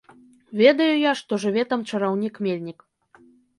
Ведаю я, што жыве там чараўнік-мельнік.